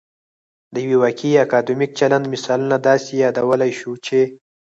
د یو واقعي اکادمیک چلند مثالونه داسې يادولای شو چې